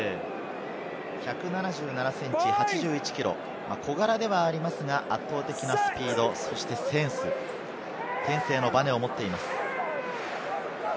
１７７ｃｍ、８１ｋｇ、小柄ではありますが、圧倒的なスピード、そしてセンス、天性のバネを持っています。